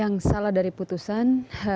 yang salah dari putusan